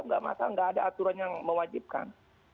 nggak masalah nggak ada aturan yang mewajibkan